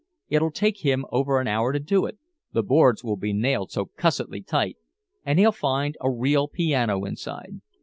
It'll take him over an hour to do it, the boards will be nailed so cussedly tight. And he'll find a real piano inside.